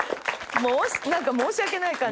何か申し訳ない感じ。